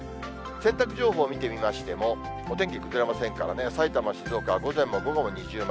洗濯情報見てみましても、お天気崩れませんからね、さいたま、静岡は午前も午後も二重丸。